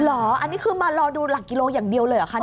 อันนี้คือมารอดูหลักกิโลอย่างเดียวเลยเหรอคะ